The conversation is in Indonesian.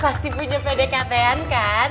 pasti punya pdkt an kan